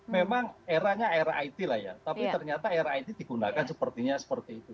memang eranya era it lah ya tapi ternyata era it digunakan sepertinya seperti itu